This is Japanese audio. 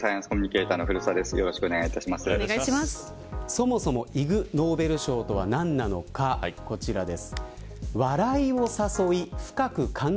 そもそもイグ・ノーベル賞とは何なのかこちらです。